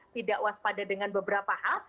tidak waspada dengan beberapa hal